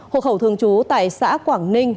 hộ khẩu thường trú tại xã quảng ninh